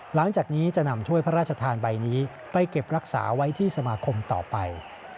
หลังจากนี้จะนำถ้วยพระราชทานใบนี้ไปเก็บรักษาไว้ที่สมาคมต่อไป